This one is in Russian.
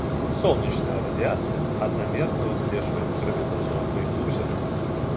Солнечная радиация одномерно выслеживает гравитационный узел.